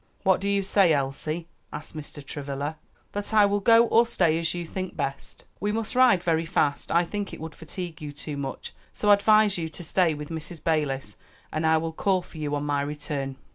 "What do you say, Elsie?" asked Mr. Travilla. "That I will go or stay as you think best." "We must ride very fast; I think it would fatigue you too much; so advise you to stay with Mrs. Balis, and I will call for you on my return."